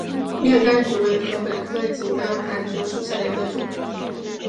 亮竿竹为禾本科井冈寒竹属下的一个种。